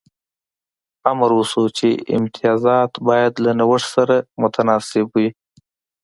امر وشو چې امتیازات باید له نوښت سره متناسب وي.